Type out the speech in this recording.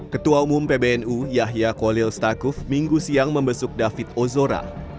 ketua umum pbnu yahya kolil stakuf minggu siang membesuk david ozora